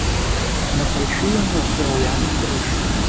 На плячы ён нёс драўляны крыж.